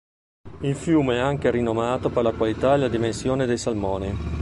Il fiume è anche rinomato per la qualità e la dimensione dei salmoni.